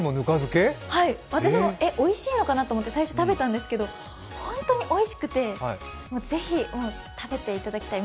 私も、え、おいしいのかな？と思って食べたんですけど、本当においしくて、ぜひ、食べていただきたい。